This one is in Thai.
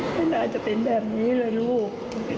ไม่น่าจะเป็นแบบนี้เลยลูก